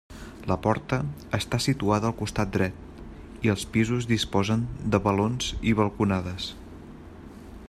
La porta està situada al costat dret i els pisos disposen de balons i balconades.